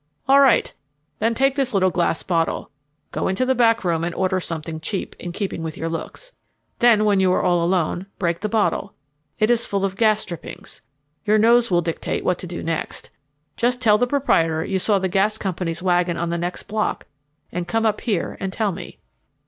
"All right. Then take this little glass bottle. Go into the back room and order something cheap, in keeping with your looks. Then when you are all alone break the bottle. It is full of gas drippings. Your nose will dictate what to do next. Just tell the proprietor you saw the gas company's wagon on the next block and come up here and tell me."